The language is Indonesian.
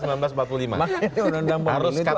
makanya undang undang pemilu itu atau